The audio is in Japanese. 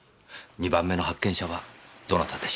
２番目の発見者はどなたでしょう？